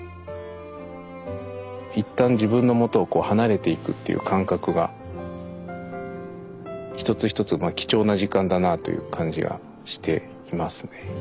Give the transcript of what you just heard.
一旦自分の元を離れていくっていう感覚が一つ一つは貴重な時間だなあという感じがしていますね。